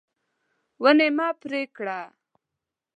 ونې مه پرې کړه.